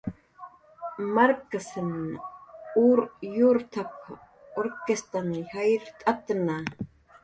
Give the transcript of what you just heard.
"Marksan ur yurtap"" urkistn jayrt'atna "